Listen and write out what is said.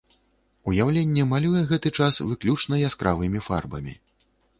Уяўленне малюе гэты час выключна яскравымі фарбамі.